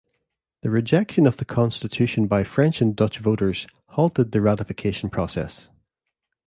The rejection of the Constitution by French and Dutch voters halted the ratification process.